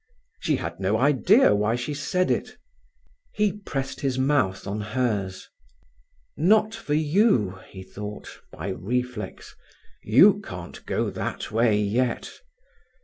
She had no idea why she said it. He pressed his mouth on hers. "Not for you," he thought, by reflex. "You can't go that way yet."